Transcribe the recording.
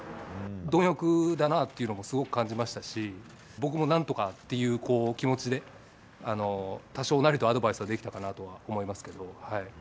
貪欲だなっていうのもすごく感じましたし、僕もなんとかっていう気持ちで、多少なりともアドバイスできたかなとは思いますけど。